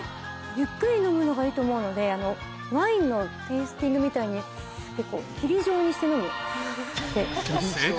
ゆっくり飲むのがいいと思うのでワインのテイスティングみたいにスって。